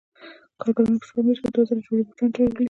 کارګران په شپږو میاشتو کې دوه زره جوړې بوټان تولیدوي